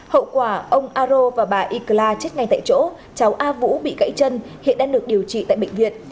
hậu quả ông aro và bà iclla chết ngay tại chỗ cháu a vũ bị gãy chân hiện đang được điều trị tại bệnh viện